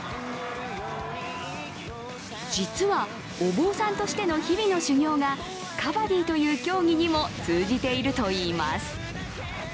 実は、お坊さんとしての日々の修行がカバディという競技にも通じているといいます。